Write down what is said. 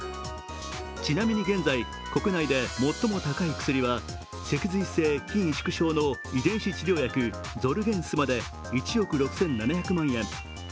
ちなみに現在、国内で最も高い薬は脊髄性筋萎縮症の遺伝子治療薬・ゾルゲンスマで１億６７００万円。